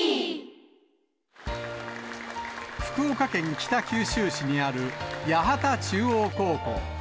福岡県北九州市にある八幡中央高校。